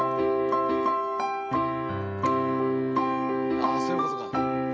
ああそういうことか。